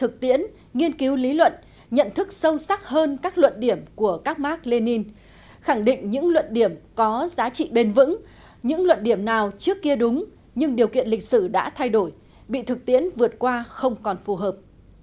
thực tiễn nghiên cứu lý luận nhận thức sâu sắc hơn các luận điểm của các mark lenin khẳng định những luận điểm có giá trị bền vững những luận điểm nào trước kia đúng nhưng điều kiện lịch sử đã thay đổi bị thực tiễn vượt qua không còn phù hợp